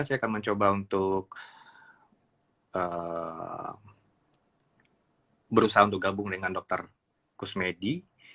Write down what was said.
saya akan mencoba untuk berusaha untuk gabung dengan dr kusmedi